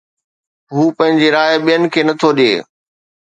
هو پنهنجي راءِ ٻين کي نه ٿو ڏئي